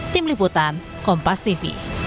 tim liputan kompas tv